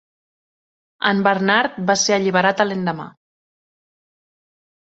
En Bernard va ser alliberat a l'endemà.